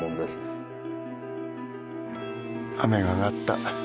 雨が上がった。